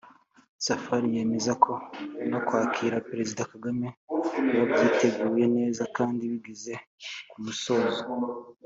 Safari yemeza ko no kwakira Perezida Kagame babyiteguye neza kandi bigeze ku musozo